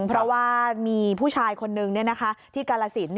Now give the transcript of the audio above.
เพราะว่ามีผู้ชายคนนึงที่กาลสิน